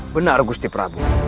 benar gusti prabu